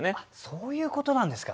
そういうことなんですか。